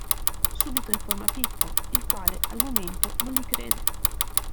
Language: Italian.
Subito informa Pippo, il quale al momento non gli crede.